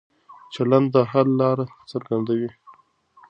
چلن د حل لاره څرګندوي.